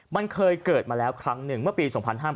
มันเคยเกิดมาแล้วครั้งหนึ่งเมื่อปี๒๕๕๘